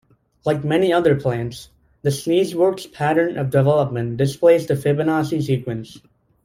Like many other plants, the sneezewort's pattern of development displays the Fibonacci sequence.